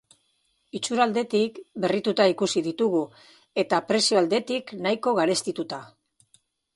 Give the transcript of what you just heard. Itxura aldetik berrituta ikusi ditugu eta prezio aldetik nahiko garestituta.